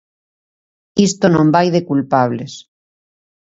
Isto non vai de culpables.